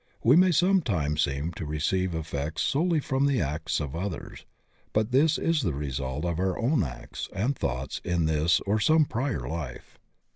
We may sometimes seem to receive effects solely from the acts of others, but this is the result of our own acts and thoughts in this or some prior life.